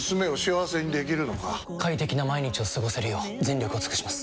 快適な毎日を過ごせるよう全力を尽くします！